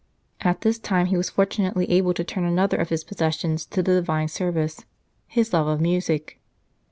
At this time he was fortunately able to turn another of his passions to the Divine service his love of music.